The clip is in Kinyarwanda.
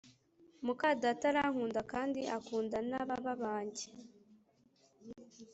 Mukadata arankunda kandi akunda nababa banjye